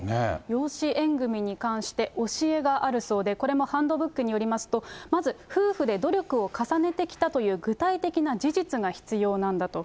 養子縁組に関して教えがあるそうで、これもハンドブックによりますと、まず夫婦で努力を重ねてきたという具体的な事実が必要なんだと。